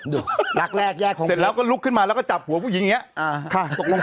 ดูเสร็จแล้วก็ลุกขึ้นมาแล้วก็จับหัวผู้หญิงเนี่ยลักแรกแยกพ่อผู้หญิง